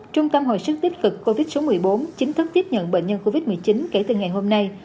trung tâm hồi sức tích cực covid một mươi bốn chính thức tiếp nhận bệnh nhân covid một mươi chín kể từ ngày hôm nay